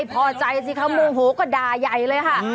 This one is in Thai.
ปัดด้านแรก